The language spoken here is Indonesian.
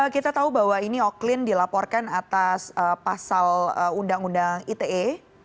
kita tahu bahwa ini oklin dilaporkan atas pasal undang undang ite